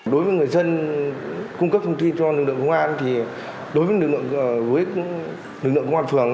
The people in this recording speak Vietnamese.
đối với người dân cung cấp thông tin cho lực lượng công an thì đối với lực lượng công an phường